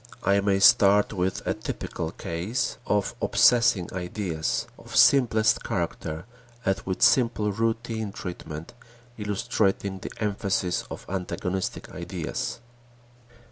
I may start with a typical case of obsessing ideas of simplest character and with simple routine treatment illustrating the emphasis on antagonistic ideas.